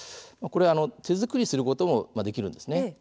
手作りすることもできるんです。